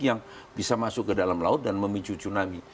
yang bisa masuk ke dalam laut dan memicu tsunami